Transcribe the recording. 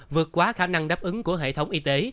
vượt quá khả năng đáp ứng của hệ thống y tế